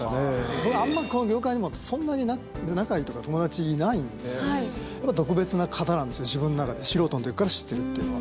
僕、あんまこの業界に、そんなに仲いいとか、友達いないので、やっぱ特別な方なんですよ、自分の中で、素人のときから知ってるっていうのは。